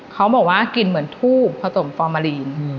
เขาบอกว่ากลิ่นเหมือนทูบผสมฟอร์มาลีน